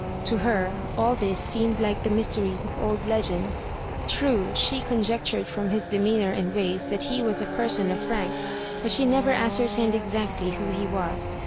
To her all this seemed like the mysteries of old legends. True, she conjectured from his demeanor and ways that he was a person of rank, but she never ascertained exactly who he was.